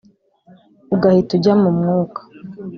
ugahita ujya mu mwuka